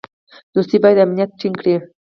دوستي باید امنیت ټینګ کړي.